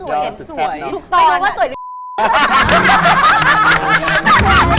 ไม่รู้ว่าสวยหรือ